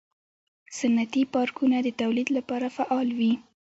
صنعتي پارکونه د تولید لپاره فعال وي.